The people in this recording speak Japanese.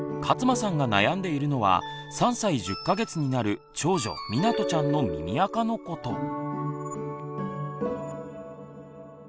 勝間さんが悩んでいるのは３歳１０か月になる長女みなとちゃんの耳あかのこと。